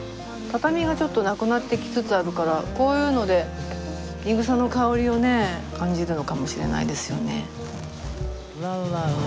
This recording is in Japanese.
畳がちょっとなくなってきつつあるからこういうのでいぐさの香りをね感じるのかもしれないですよね。